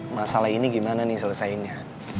masalah ini gimana nih selesainya